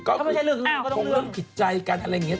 เขาบอกไม่ใช่เรื่องดูคิวก็คงเรื่องผิดใจกันอะไรอย่างนี้